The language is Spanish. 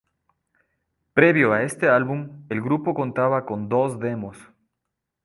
Previo a este álbum, el grupo contaba con dos demos.